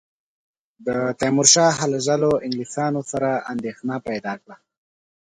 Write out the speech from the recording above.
د تیمورشاه هلو ځلو انګلیسیانو سره اندېښنه پیدا کړه.